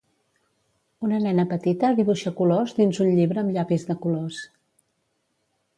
Una nena petita dibuixa colors dins un llibre amb llapis de colors